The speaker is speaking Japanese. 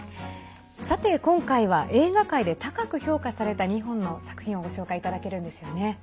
さて、今回は映画界で高く評価された２本の作品をご紹介いただけるんですよね。